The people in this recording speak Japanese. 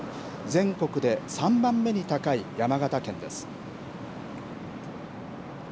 全国で３番目に高い山形県です。